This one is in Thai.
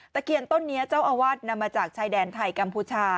เคียนต้นนี้เจ้าอาวาสนำมาจากชายแดนไทยกัมพูชา